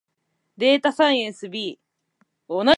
データサイエンス B